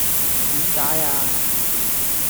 點解呀